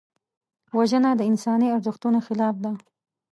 وژنه د انساني ارزښتونو خلاف ده